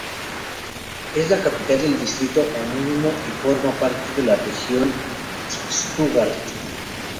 Es la capital del distrito homónimo, y forma parte de la Región Stuttgart.